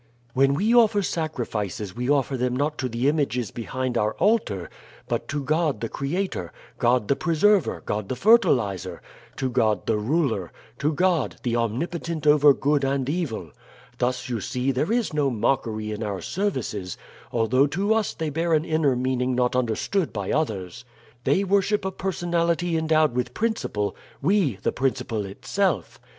"When we offer sacrifices we offer them not to the images behind our altar, but to God the creator, God the preserver, God the fertilizer, to God the ruler, to God the omnipotent over good and evil. Thus, you see, there is no mockery in our services, although to us they bear an inner meaning not understood by others. They worship a personality endowed with principle; we the principle itself.